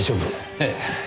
ええ。